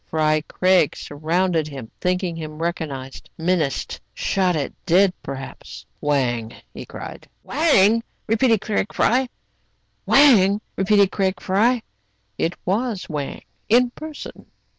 Fry Craig surrounded him, thinking him recog nized, menaced, shot at, dead perhaps. "Wang! " he cried. " Wang !" repeated Craig Fry. It was Wang in person.